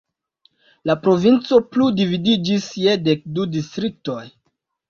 La provinco plu dividiĝis je dek du distriktoj.